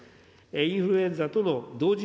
インフルエンザとの同時